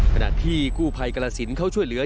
ขณะที่กู้ภัยกรสินเขาช่วยเหลือ